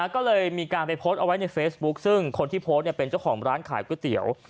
ก็เลยมีการไปโพสต์เอาไว้ในเฟซบุ๊คซึ่งคนที่โพสต์เป็นเจ้าของร้านขายก๋วยเตี๋ยว